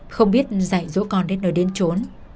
không biết dạy dỗ con đến nơi đến trốn